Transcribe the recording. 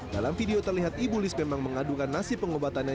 dalam video terlihat ibu liz memang mengadungkan nasib pengobatannya